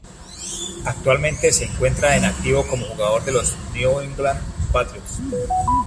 Actualmente se encuentra en activo como jugador de los New England Patriots.